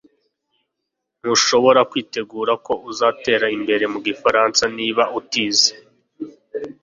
Ntushobora kwitega ko uzatera imbere mu gifaransa niba utize